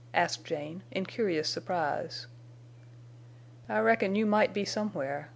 asked Jane, in curious surprise. "I reckon you might be somewhere.